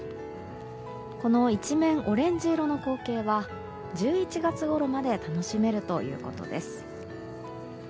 この一面オレンジ色の光景は１１月ごろまで楽しめるということです。